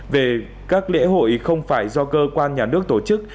về các lễ hội không phải do cơ quan nhà nước tổ chức